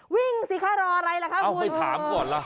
วิ่งสิข้ารออะไรล่ะค่ะเอ้าไม่ถามก่อนล่ะ